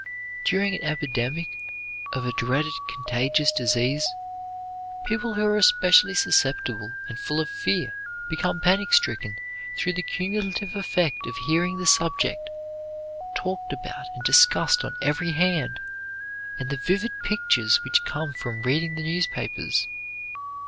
During an epidemic of a dreaded contagious disease, people who are especially susceptible and full of fear become panic stricken through the cumulative effect of hearing the subject talked about and discussed on every hand and the vivid pictures which come from reading the newspapers.